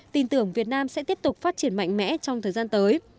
tin tưởng việt nam sẽ tiếp tục phát triển mạnh mẽ trong thời gian tới